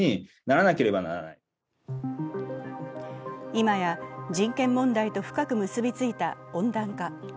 今や人権問題と深く結びついた温暖化。